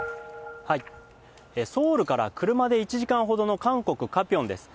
ソウルから車で１時間ほどの韓国・カピョンです。